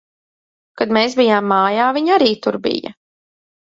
Kad mēs bijām mājā, viņa arī tur bija.